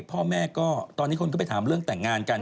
พ่อแม่ก็ตอนนี้คนก็ไปถามเรื่องแต่งงานกัน